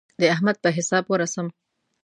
د احمد په حساب ورسم.